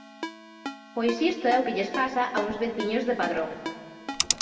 Pois isto é o que lles pasa a uns veciños de Padrón.